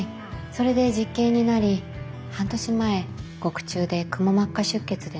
それで実刑になり半年前獄中でくも膜下出血で亡くなっているんです。